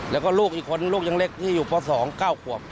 แล้วก็ลูกอีกคนลูกยังเล็กที่อยู่ป๒๙ขวบ